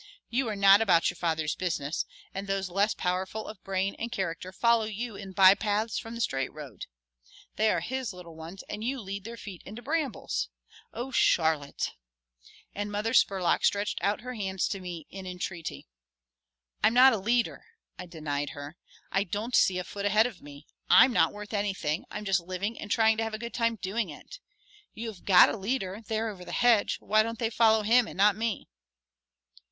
You are not about your Father's business; and those less powerful of brain and character follow you in by paths from the straight road. They are his Little Ones and you lead their feet into brambles. Oh, Charlotte!" And Mother Spurlock stretched out her hands to me in entreaty. "I'm not a leader," I denied her. "I don't see a foot ahead of me. I'm not worth anything. I'm just living and trying to have a good time doing it. You have got a leader, there over the hedge; why don't they follow him and not me?"